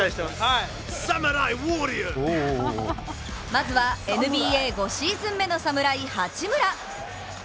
まずはＮＢＡ５シーズン目の侍、八村。